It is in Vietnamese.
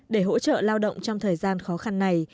để hỗ trợ lao động trong thời gian khó khăn này